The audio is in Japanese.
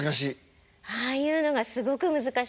ああいうのがすごく難しかった。